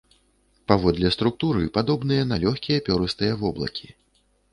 Паводле структуры падобныя на лёгкія перыстыя воблакі.